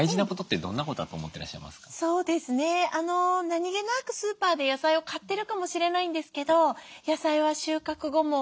何気なくスーパーで野菜を買ってるかもしれないんですけど野菜は収穫後も生きてます。